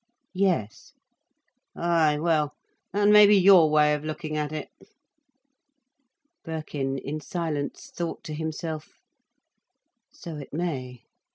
"Yes." "Ay, well that may be your way of looking at it." Birkin, in silence, thought to himself: "So it may.